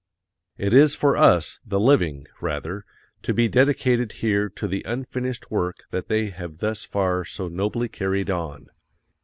It is for us, the living, rather, to be dedicated here to the unfinished work they have thus far so nobly carried on.